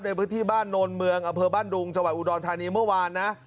ในพื้นที่บ้านโนนเมืองอำเภอบ้านดุงจังหวัดอุดรธานีเมื่อวานนะ